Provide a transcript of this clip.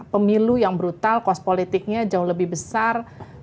pemilu yang brutal kos politiknya jauh lebih besar